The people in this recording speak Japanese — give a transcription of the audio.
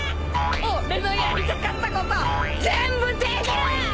俺のやりたかったこと全部できる！